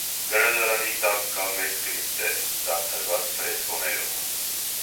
Գրադարանի տակ կա մեծ կրիպտե՝ զարդարված ֆրեսկոներով։